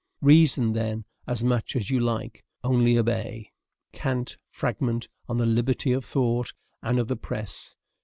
"Reason, then, as much as you like; only, obey." Kant: Fragment on the Liberty of Thought and of the Press.